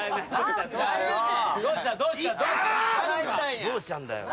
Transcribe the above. どうしたんだよ？